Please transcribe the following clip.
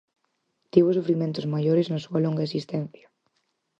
Tivo sufrimentos maiores na súa longa existencia.